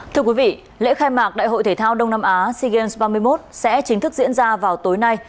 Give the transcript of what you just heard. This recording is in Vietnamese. thưa quý vị lễ khai mạc đại hội thể thao đông nam á sea games ba mươi một sẽ chính thức diễn ra vào tối nay